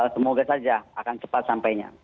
semoga saja akan cepat sampainya